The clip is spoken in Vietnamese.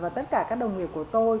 và tất cả các đồng nghiệp của tôi